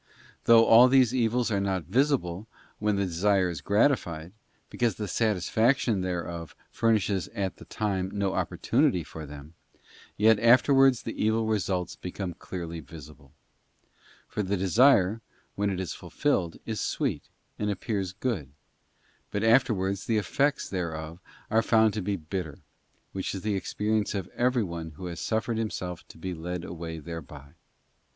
Though all these evils are not visible then when the desire is gratified, because the satisfaction thereof furnishes at the time no opportunity for them, yet afterwards the evil results become clearly visible. For the desire, when it is fulfilled, is sweet, and appears good, but afterwards the effects thereof are found to be bitter, which is the experience of everyone who has suffered himself to be led away thereby.